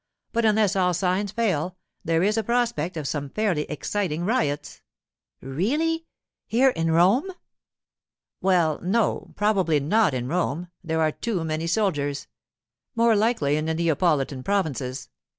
But unless all signs fail, there is a prospect of some fairly exciting riots.' 'Really? Here in Rome?' 'Well, no; probably not in Rome—there are too many soldiers. More likely in the Neapolitan provinces.